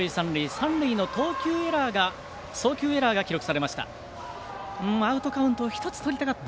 三塁の送球エラーが記録されました。